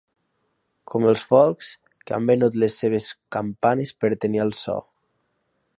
Com els Folcs, que han venut les seves campanes per tenir el so.